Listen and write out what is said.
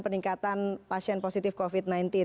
peningkatan pasien positif covid sembilan belas